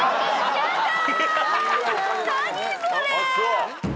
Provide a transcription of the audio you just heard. やったー！